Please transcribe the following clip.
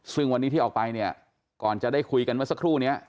ซึ่งวันนี้ที่ออกไปเนี่ยก่อนจะได้คุยกันเมื่อสักครู่นี้